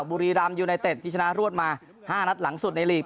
บุรีรำยูไนเต็ดที่ชนะรวดมา๕นัดหลังสุดในลีก